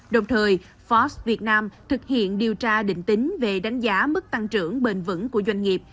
đồng thời forbes việt nam thực hiện điều tra định tính về đánh giá mức tăng trưởng bền vững của doanh nghiệp